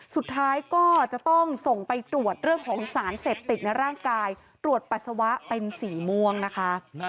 สุดท้ายก็จะต้องส่งไปตรวจเรื่องของสารเสพติดในร่างกายตรวจปัสสาวะเป็นสีม่วงนะคะ